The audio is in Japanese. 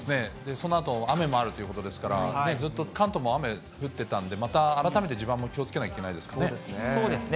そのあと雨もあるということですから、ずっと関東も雨、降ってたんで、また改めて地盤も気をつけなきゃいけないですね。